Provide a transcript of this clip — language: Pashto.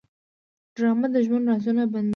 ډرامه د ژوند رازونه بربنډوي